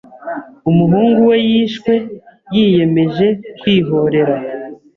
umuhungu we yishwe yiyemeje kwihorera